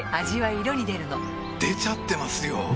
味は色に出るの出ちゃってますよ！